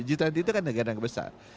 jutaan itu kan negara yang besar